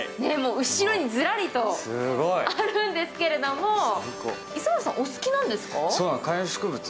後ろにずらりとあるんですけれども磯村さん、お好きなんですか？